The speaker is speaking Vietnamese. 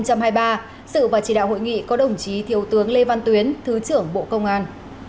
có đồng chí thiếu tướng lê văn tuyến thứ trưởng bộ công an